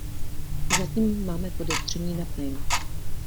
Zatím máme podezření na plyn.